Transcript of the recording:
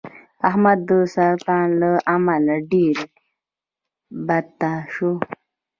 احمد د سرطان له امله ډېر بته شو.